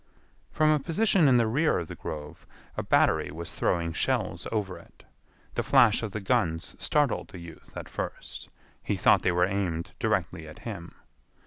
From a position in the rear of the grove a battery was throwing shells over it. The flash of the guns startled the youth at first. He thought they were aimed directly at him.